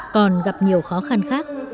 còn gặp nhiều khó khăn khác